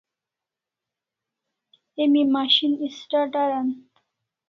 Emi machine start aran